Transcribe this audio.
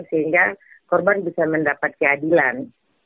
sehingga korban bisa mendapat keadilan